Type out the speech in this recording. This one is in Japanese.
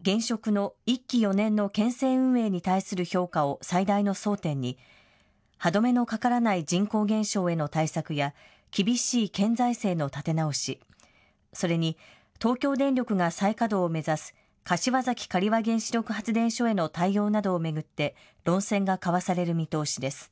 現職の１期４年の県政運営に対する評価を最大の争点に歯止めのかからない人口減少への対策や厳しい県財政の立て直し、それに東京電力が再稼働を目指す柏崎刈羽原子力発電所への対応などを巡って論戦が交わされる見通しです。